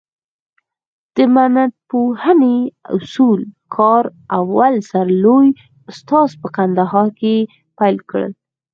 د متنپوهني اصولي کار اول سر لوى استاد په کندهار کښي پېل کړ.